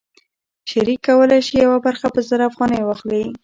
شریک کولی شي یوه برخه په زر افغانۍ واخلي